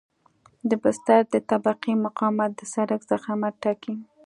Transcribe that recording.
د بستر د طبقې مقاومت د سرک ضخامت ټاکي